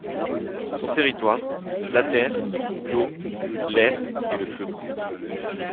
Son territoire: la terre, l'eau, l'air et le feu.